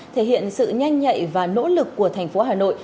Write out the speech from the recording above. thể hiện sự nhanh nhạy và nỗ lực của thành phố hà nội